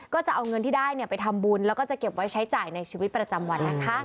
ก็จะเอาเงินที่ได้ไปทำบุญแล้วก็จะเก็บไว้ใช้จ่ายในชีวิตประจำวันนะคะ